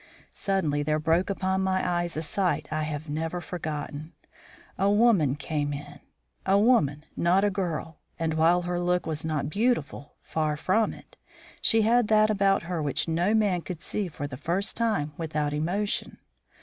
Suddenly there broke upon my eyes a sight I have never forgotten. A woman came in a woman, not a girl and while her look was not beautiful far from it she had that about her which no man could see for the first time without emotion.